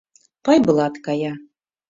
Пайблат кая.